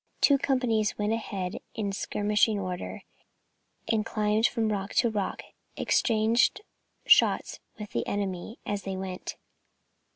Two companies went ahead in skirmishing order, and climbing from rock to rock, exchanged shots with the enemy as they went.